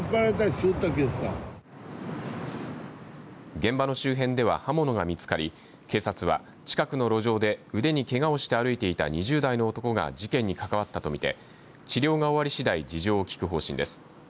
現場の周辺では刃物が見つかり警察は近くの路上で腕にけがをして歩いていた２０代の男が事件に関わったとみて治療が終わりしだい事情を聴く方針です。